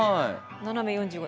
斜め４５